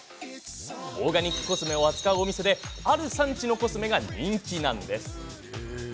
オーガニックコスメを扱うお店ではある産地のコスメが人気なんです。